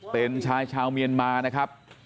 เป็นชายชาวเมียนมานะครับ